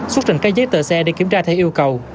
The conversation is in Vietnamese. xuất trình các giấy tờ xe để kiểm tra theo yêu cầu